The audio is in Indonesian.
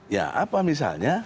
ya apa misalnya